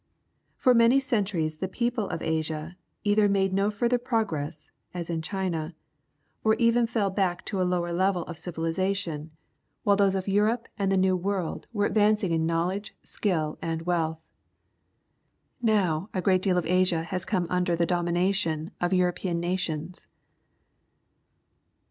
For many centuries the peoples of Asia either made no further progress, as in China, or even fell back to a lower level of civiliza tion, while those of Europe and of the New World were advancing in knowledge, skill, and wealth. Now a great deal of Asia has come under the domination of European nations.